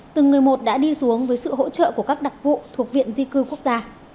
từng người một đã đi xuống với sự hỗ trợ của các đặc vụ thuộc viện di cư quốc gia